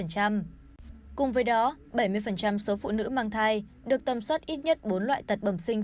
cùng với đó bảy mươi số phụ nữ mang thai được tầm soát ít nhất bốn loại tật bẩm sinh